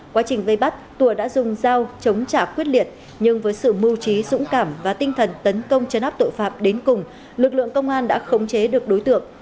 quá trình vây bắt tùa đã dùng dao chống trả quyết liệt nhưng với sự mưu trí dũng cảm và tinh thần tấn công chấn áp tội phạm đến cùng lực lượng công an đã khống chế được đối tượng